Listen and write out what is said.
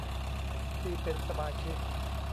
ที่เป็นสมาชิก